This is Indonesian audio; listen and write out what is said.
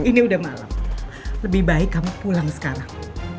ini udah malam lebih baik kamu pulang sekarang